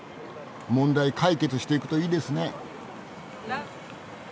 問題解決していくといいですね。